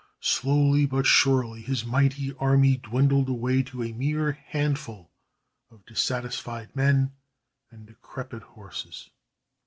Slowly but surely his mighty army dwindled away to a mere handful of dissatisfied men and decrepit horses.